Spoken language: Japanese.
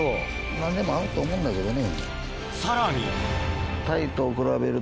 何でも合うと思うんだけどね。